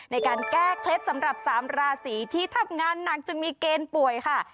ในการแก้เคล็ดสำหรับ๓ราศีที่ทำงานหนักจนมีเกณฑ์ป่วยค่ะ